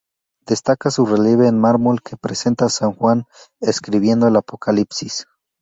Destaca su relieve en mármol que representa a San Juan escribiendo el Apocalipsis.